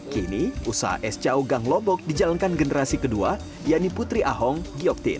kini usaha es chow gang lombok dijalankan generasi kedua yakni putri ahong giyoktin